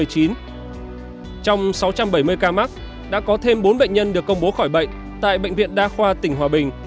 trong sáu trăm bảy mươi ca mắc đã có thêm bốn bệnh nhân được công bố khỏi bệnh tại bệnh viện đa khoa tỉnh hòa bình